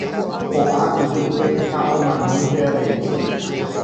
Ho'a yvýpe ha omanónte avei.